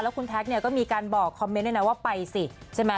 คุณแท็กเนี่ยก็มีการบอกคอมเมนต์ด้วยนะว่าไปสิใช่ไหม